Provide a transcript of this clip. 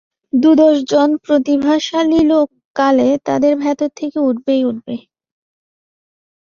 দু-দশ জন প্রতিভাশালী লোক কালে তাদের ভেতর থেকে উঠবেই উঠবে।